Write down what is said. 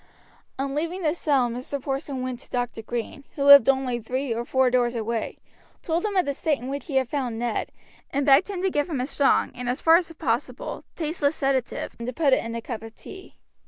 On leaving the cell Mr. Porson went to Dr. Green, who lived only three or four doors away, told him of the state in which he had found Ned, and begged him to give him a strong and, as far as possible, tasteless sedative, and to put it in a cup of tea.